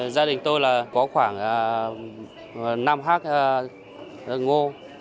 gia đình tôi là có khoảng năm hectare ngô